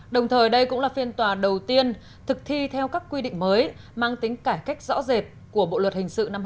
đồng thời đây cũng là phiên tòa đầu tiên thực thi theo các quy định mới mang tính cải cách rõ rệt của bộ luật hình sự năm hai nghìn một mươi năm